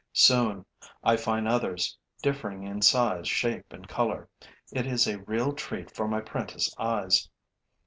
Soon, I find others, differing in size, shape and color. It is a real treat for my prentice eyes.